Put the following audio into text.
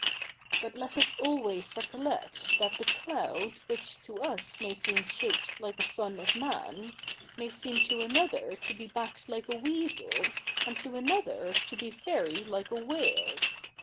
But let us always recollect that the cloud which to us may seem shaped like a son of man, may seem to another to be backed like a weasel, and to another to be very like a whale.